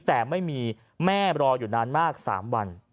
แต่ไม่มีแม่รออยู่นานมาก๓วัน